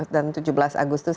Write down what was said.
dan tujuh belas agustus